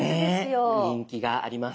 ねえ人気があります。